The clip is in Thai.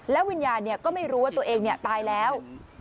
แล้ววิญญาณเนี่ยก็ไม่รู้ว่าตัวเองเนี่ยตายแล้ว